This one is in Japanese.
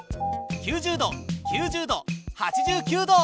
９０度９０度８９度。